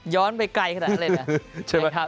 ย้อนไปไกลขนาดนั้นใช่ไหม